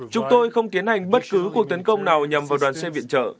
chúng tôi không tiến hành bất cứ cuộc tấn công nào nhằm vào đoàn xe viện trợ